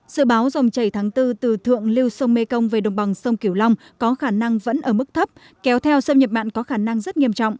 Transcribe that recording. sự báo dòng chảy tháng bốn từ thượng lưu sông mê công về đồng bằng sông kiểu long có khả năng vẫn ở mức thấp kéo theo sâm nhập mặn có khả năng rất nghiêm trọng